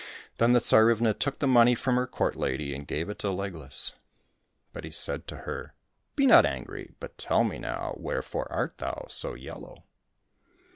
Then the Tsarivna took the money from her court lady and gave it to Legless. But he said to her, " Be not angry, but tell me, now, wherefore art thou so yellow